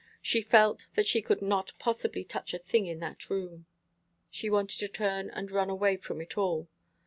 She felt that she could not possibly touch a thing in the room. She wanted to turn and run away from it all.